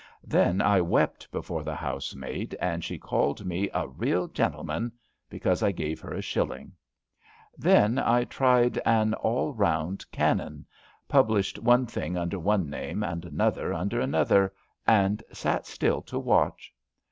'' Then I wept before the housemaid, and she called me a ^^ real gentle man " because I gave her a shilling. Then I tried an all round cannon — ^published one thing under one name and another under an other, and sat still to watch.